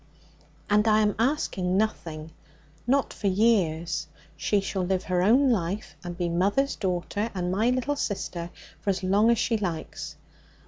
'And I am asking nothing not for years. She shall live her own life, and be mother's daughter and my little sister for as long as she likes.